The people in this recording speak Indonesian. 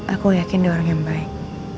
aku yakin dia orang yang baik